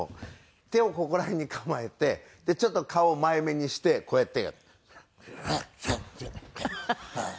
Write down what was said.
手をここら辺に構えてちょっと顔を前めにしてこうやって。